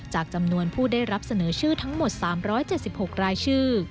จำนวนผู้ได้รับเสนอชื่อทั้งหมด๓๗๖รายชื่อ